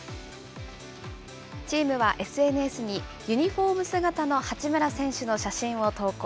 チームはＳＮＳに、ユニホーム姿の八村選手の写真を投稿。